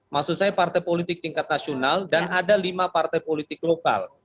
maksud saya partai politik tingkat nasional dan ada lima partai politik lokal